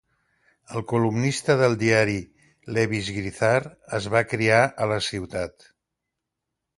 El columnista del diari Lewis Grizzard es va criar a la ciutat.